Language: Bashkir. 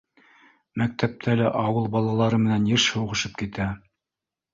Мәктәптә лә ауыл балалары менән йыш һуғышып китә.